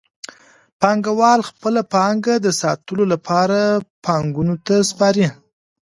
پانګوال خپله پانګه د ساتلو لپاره بانکونو ته سپاري